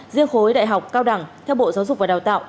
riêng khối đại học cao đẳng theo bộ giáo dục và đào tạo